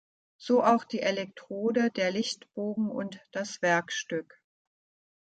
So auch die Elektrode, der Lichtbogen und das Werkstück.